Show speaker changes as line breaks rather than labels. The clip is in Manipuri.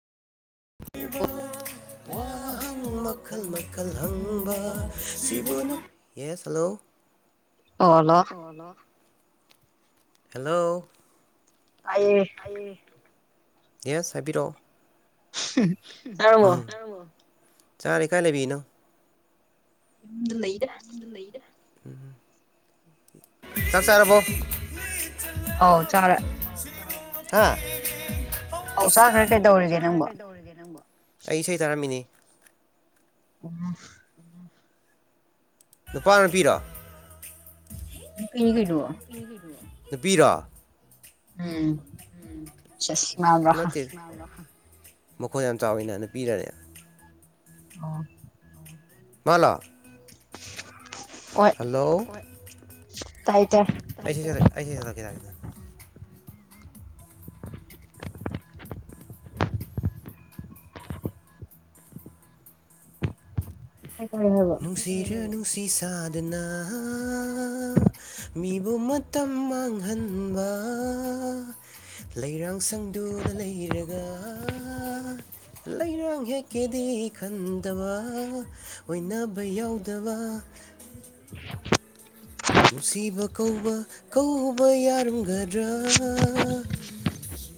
[inaudible] [inaudible] yes hello [unintelligible]
hello
hello hello
ꯇꯥꯏꯌꯦ
ꯌꯦꯁ ꯍꯥꯏꯕꯤꯔꯛꯑꯣ
ꯆꯥꯔꯕꯣ
ꯆꯥꯔꯦ ꯀꯥꯏ ꯂꯩꯕꯤꯔꯤꯅꯣ
ꯌꯨꯝꯗ ꯂꯩꯗ
ꯆꯥꯛ ꯆꯥꯔꯕꯣ
ꯑꯧ ꯆꯥꯔꯦ
[inaudible] ꯍꯥ [inaudible]
ꯑꯧ ꯆꯥꯈ꯭ꯔꯦ ꯀꯩꯗꯧꯔꯤꯒꯦ ꯅꯪꯕꯣ
ꯀꯩꯗꯧꯔꯤꯒꯦ ꯅꯪꯕꯣ ꯑꯩ ꯏꯁꯩ ꯇꯥꯔꯝꯃꯤꯅꯤ
ꯑꯣ
ꯅꯨꯄꯥꯔꯣ ꯅꯨꯄꯤꯔꯣ
ꯅꯨꯄꯤꯅꯤ ꯀꯩꯅꯣ
ꯅꯨꯄꯤꯔꯣ
ꯎꯝ ꯆꯁ ꯅꯥꯟꯕꯔꯥ ꯍꯥ
ꯅꯥꯟꯕꯥꯈ ꯃꯈꯣꯟ ꯌꯥꯝ ꯆꯥꯎꯋꯤꯅ ꯅꯨꯄꯤꯔꯥꯅꯦ
ꯑꯣ
ꯃꯥꯅ
[inaudible]
ꯍꯜꯂꯣ
ꯇꯥꯏ ꯇꯥꯏ
ꯑꯩꯁꯤ ꯁ ꯑꯩ ꯏꯁꯩ ꯁꯛꯂꯛꯀꯦ ꯌꯥꯔꯦ
ꯀꯩ ꯇꯧꯔꯤ ꯍꯥꯏꯕ
ꯅꯨꯡꯁꯤꯔ ꯅꯨꯡ ꯁꯤ ꯁꯥꯗꯅ ꯃꯤꯕꯨ ꯃꯇꯝ ꯃꯥꯡ ꯍꯟꯕ ꯂꯩꯔꯥꯡ ꯁꯪꯗꯨꯅ ꯂꯩꯔꯒ ꯂꯩꯔꯥꯡ ꯍꯦꯛꯀꯦꯗꯤ ꯈꯟꯗꯕ ꯑꯣꯏꯅꯕ ꯌꯥꯎꯗꯕ
[unintelligible]
ꯅꯨꯡꯁꯤꯕ ꯀꯧꯕ ꯀꯧꯕ ꯌꯥꯔꯝꯒꯗ꯭ꯔꯥ